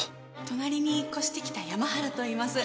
隣に越してきた山原といいます。